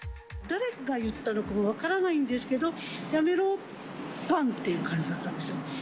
誰が言ったのか分からないんですけど、やめろー、ばんっていう感じだったんですよ。